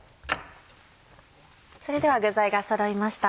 それでは具材がそろいました。